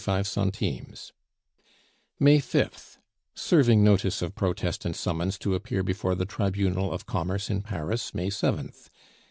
1037 45 May 5th Serving notice of protest and summons to appear before the Tribunal of Commerce in Paris, May 7th